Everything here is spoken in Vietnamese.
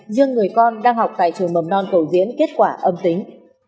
dương người con đang học tại trường mầm non tổ diễn kết quả âm tính